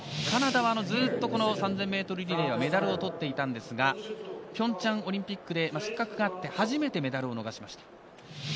カナダはずっと３０００ｍリレーはメダルを取っていたんですが平昌オリンピックで失格があって初めてメダルを逃しました。